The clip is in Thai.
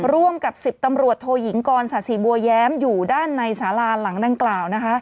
ร่วมกับ๑๐ตำรวจโทยิงกรศาสีบัวแย้มอยู่ด้านในสาราหลังดังกล่าวนะคะ